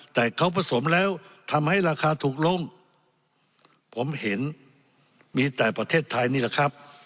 แต่เขาผสมแล้วทำให้ราคาถูกลงผมเห็นมีแต่ประเทศไทยนี่แหละครับ